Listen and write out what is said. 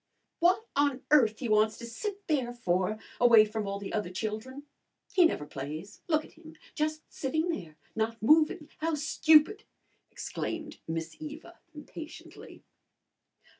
"What on earth he wants to sit there for away from all the other children! He never plays. Look at him! Just sitting there not moving. How stupid!" exclaimed Miss Eva impatiently.